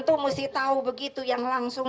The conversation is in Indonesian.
tuh mesti tau begitu yang langsung